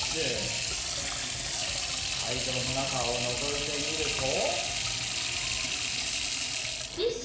会場の中をのぞいてみると。